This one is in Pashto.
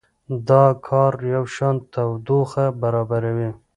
دا کار یوشان تودوخه برابروي.